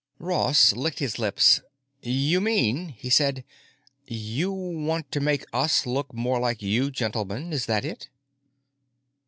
Ross licked his lips. "You mean," he said, "you want to make us look more like you gentlemen, is that it?"